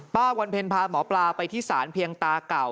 วันเพ็ญพาหมอปลาไปที่ศาลเพียงตาเก่า